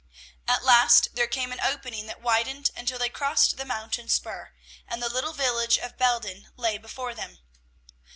At last there came an opening that widened until they crossed the mountain spur, and the little village of Belden lay before them.